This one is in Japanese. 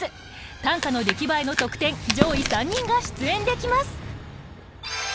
短歌の出来栄えの得点上位３人が出演できます。